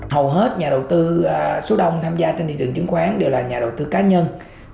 hầu hết nhà đầu tư số đông tham gia trên thị trường chứng khoán đều là nhà đầu tư cá nhân